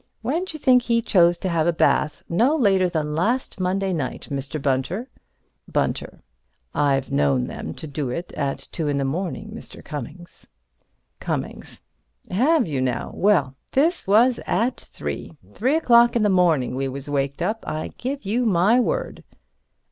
When d'you think he chose to have a bath, no later than last Monday night, Mr. Bunter? Bunter: I've known them to do it at two in the morning, Mr. Cummings. Cummings: Have you, now? Well, this was at three. Three o'clock in the morning we was waked up. I give you my word.